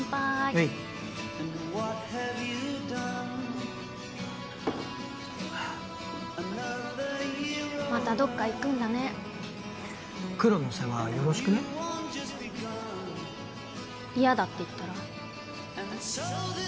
はいまたどっか行くんだねクロの世話よろしくね嫌だって言ったら？